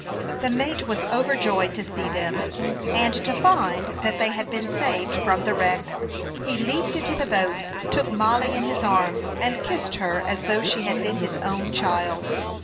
The mate was overjoyed to see them, and to find that they had been saved from the wreck. He leaped into the boat, took Mollie in his arms, and kissed her as though she had been his own child.